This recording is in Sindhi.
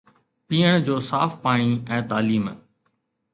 پيئڻ جو صاف پاڻي ۽ تعليم